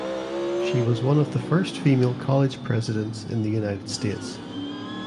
She was one of the first female college presidents in the United States.